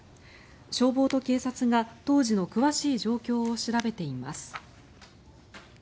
消防と警察が当時の詳しい状況を調べています。